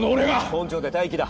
本庁で待機だ。